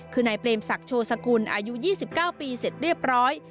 คือในเต็มสักโฉทรกรอายุยี่สิบเก้าปีเสร็จเรียบร้อย